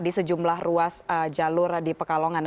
di sejumlah ruas jalur di pekalongan